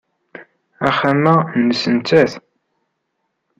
Axxam-a nnes nettat.